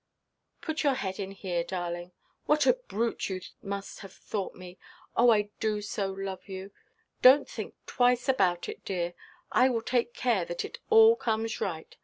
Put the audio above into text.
"Put your head in here, darling. What a brute you must have thought me! Oh, I do so love you. Donʼt think twice about it, dear. I will take care that it all comes right.